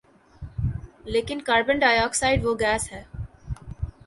لیکن carbon dioxide وہ gas ہے